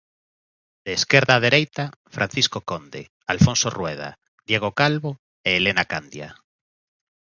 De esquerda a dereita, Francisco Conde, Alfonso Rueda, Diego Calvo e Elena Candia.